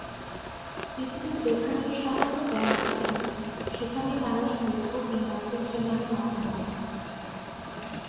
পৃথিবীর যেখানেই সামান্য জ্ঞান আছে, সেখানেই মানুষ বুদ্ধ কিম্বা খ্রীষ্টের নামে মাথা নোয়ায়।